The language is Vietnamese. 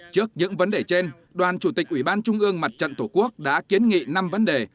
trước những vấn đề trên đoàn chủ tịch ủy ban trung ương mặt trận tổ quốc đã kiến nghị năm vấn đề